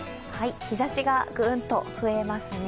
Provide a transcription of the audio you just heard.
日ざしがぐーんと増えますね。